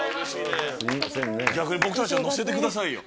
逆に僕たちを乗せてくださいよ。